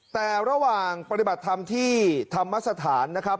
แต่ระหว่างปฏิบัติธรรมที่ธรรมสถานนะครับ